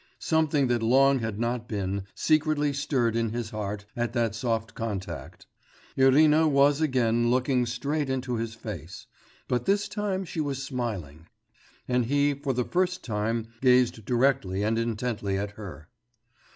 Something that long had not been, secretly stirred in his heart at that soft contact. Irina was again looking straight into his face; but this time she was smiling.... And he for the first time gazed directly and intently at her....